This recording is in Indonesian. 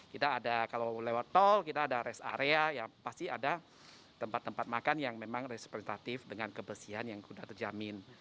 kita ada kalau lewat tol kita ada rest area ya pasti ada tempat tempat makan yang memang resipitatif dengan kebersihan yang sudah terjamin